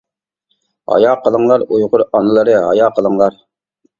ھايا قىلىڭلار، ئۇيغۇر ئانىلىرى ھايا قىلىڭلار!